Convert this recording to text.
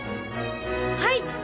はい！